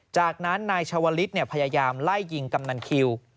จากนั้นนายชาวลิศพยายามไล่ยิงกำนันคิว